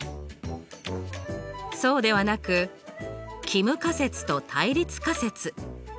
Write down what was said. そうではなく帰無仮説と対立仮説